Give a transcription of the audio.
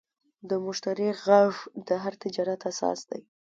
د مشتری غږ د هر تجارت اساس دی.